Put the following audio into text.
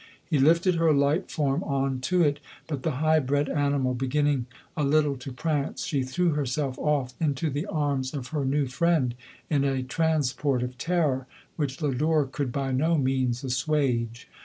He lifted her light form on to it ; but the high bred animal, beginning a little to prance, she threw herself off into the arms of her new friend, in a transport of terror, which Lodore could by no means assuage.